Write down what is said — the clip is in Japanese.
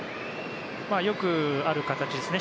よくある形ですね。